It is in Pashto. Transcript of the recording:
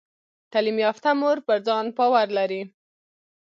تعلیم یافته مور پر ځان باور لري۔